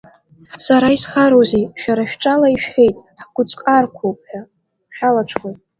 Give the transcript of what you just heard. Сара исхароузеи, шәара шәҿала ишәҳәеит, ҳгәыцәҟарқәоуп ҳәа, шәалаҽхәоит.